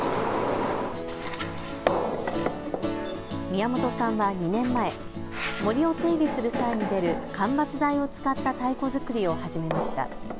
宮本さんは２年前、森を手入れする際に出る間伐材を使った太鼓作りを始めました。